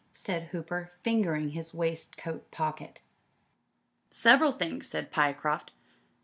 '* said Hooper, his hand fingering his waistcoat pocket. "Several things/' said Pyecroft.